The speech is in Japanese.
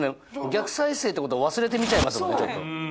逆再生ってことを忘れて見ちゃいますもんね。